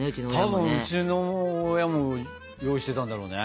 多分うちの親も用意してたんだろうね。